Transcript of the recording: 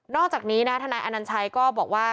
อกจากนี้นะทนายอนัญชัยก็บอกว่า